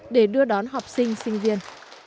để đưa đón học sinh sinh viên